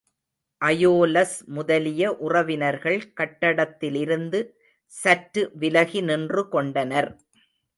அயோலஸ் முதலிய உறவினர்கள் காட்டத்திலிருந்து சற்று விலகி நின்றுகொண்டனர்.